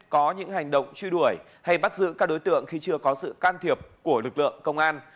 có những hành động truy đuổi hay bắt giữ các đối tượng khi chưa có sự can thiệp của lực lượng công an